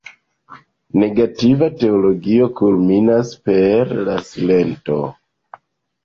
Negativa teologio kulminas per la silento.